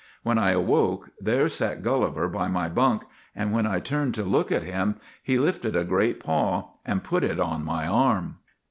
When I awoke there sat Gulliver by my bunk, and when I turned to look at him he lifted a great paw and put it on my arm."